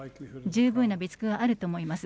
十分な備蓄があると思います。